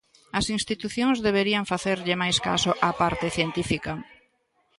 As institucións deberían facerlle máis caso á parte científica.